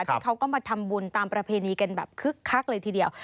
ที่เขาก็มาทำบุญตามประเพณีกันแบบคึกคักเลยทีเดียว